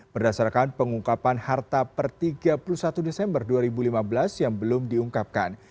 berdasarkan pengungkapan harta per tiga puluh satu desember dua ribu lima belas yang belum diungkapkan